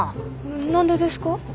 何でですか？